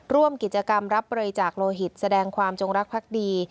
ร่วมกิจกรรมรับบริจาคโลหิตแสดงความจงรักภักดี